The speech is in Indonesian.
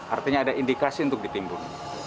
artinya ada indikasi untuk ditimbun